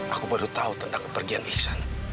aku baru tau tentang kepergian iksan